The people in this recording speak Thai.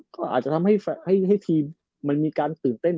ก็อาจจะทำให้ทีมมันมีการตื่นเต้น